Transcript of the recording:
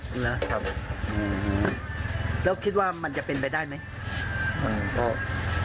จริงเหรอครับอืมหืมหืมแล้วคิดว่ามันจะเป็นไปได้ไหม